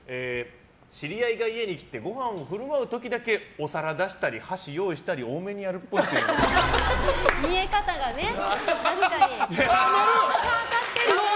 知り合いが家に来てごはんを振る舞う時だけお皿出したり箸用意したり多めにやるっぽい。